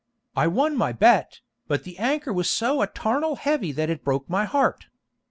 I won my bet, but the anchor was so etarnal heavy that it broke my heart.'